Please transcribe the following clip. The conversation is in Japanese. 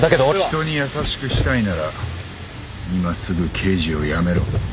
人に優しくしたいなら今すぐ刑事を辞めろ。